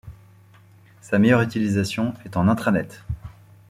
Sa meilleure utilisation est en intranet.